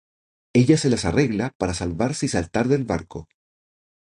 Ella se las arregla para salvarse y saltar del barco.